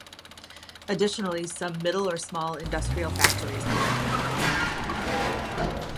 Additionally, some middle or small industrial factories are located there.